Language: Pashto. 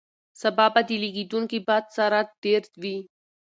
سبا به د لګېدونکي باد سرعت ډېر وي.